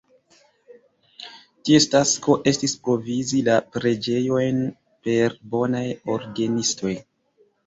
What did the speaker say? Ties tasko estis provizi la preĝejojn per bonaj orgenistoj.